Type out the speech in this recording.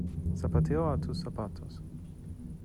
Zapatero a tus zapatos.